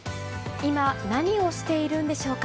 今、何をしているんでしょうか。